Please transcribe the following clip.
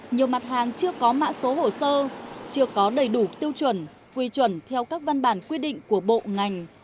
nhiều mặt hàng chưa có mạ số hồ sơ chưa có đầy đủ tiêu chuẩn quy chuẩn theo các văn bản quy định của bộ ngành